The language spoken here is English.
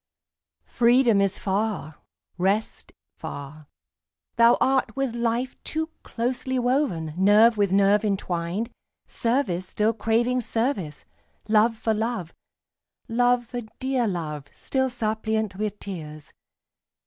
Freedom is far, rest far. Thou art with life Too closely woven, nerve with nerve intwined; Service still craving service, love for love, Love for dear love, still suppliant with tears.